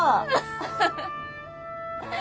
ハハハハ。